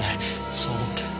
そう思って。